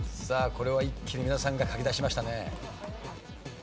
さあこれは一気に皆さんが書きだしましたね。